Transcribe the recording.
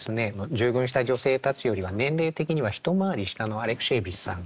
従軍した女性たちよりは年齢的には一回り下のアレクシエーヴィチさんがですね